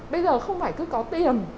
bây giờ không phải cứ có tiền